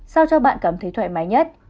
sao cho bạn cảm thấy thoải mái nhất